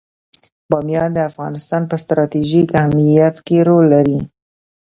بامیان د افغانستان په ستراتیژیک اهمیت کې رول لري.